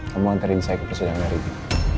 kamu mau anterin saya ke persidangan dari ricky